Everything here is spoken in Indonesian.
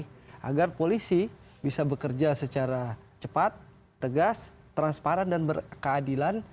polisi agar polisi bisa bekerja secara cepat tegas transparan dan berkeadilan